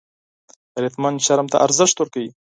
غیرتمند شرم ته ارزښت ورکوي